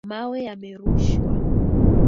Mawe yamerushwa.